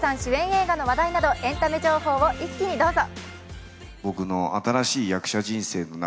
映画の話題などエンタメ情報を一気にどうぞ。